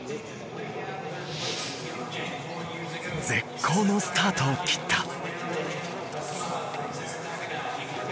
絶好のスタートを切った。